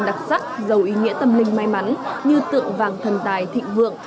đặc sắc giàu ý nghĩa tâm linh may mắn như tượng vàng thần tài thịnh vượng